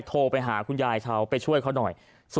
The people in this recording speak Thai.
โทรไปหาคุณยายเถาไปช่วยเขาหน่อย๐๘๘๔๗๑๖๐๗๓